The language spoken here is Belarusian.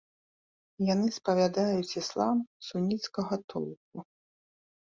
Яны спавядаюць іслам суніцкага толку.